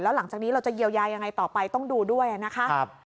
หลังจากนี้เราจะเยียวยายังไงต่อไปต้องดูด้วยนะคะ